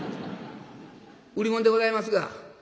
売り物でございますが」。